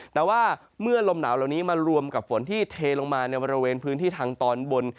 แต่ว่าเมื่อลมหนาวเหล่านี้มารวมกับฝนที่เทลงมาในบริเวณพื้นที่ทางตอนบน